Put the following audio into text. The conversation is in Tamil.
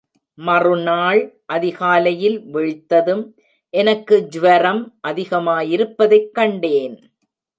மறுநாள் அதிகாலையில் விழித்ததும், எனக்கு ஜ்வரம் அதிகமாயிருப்பதைக் கண்டேன்.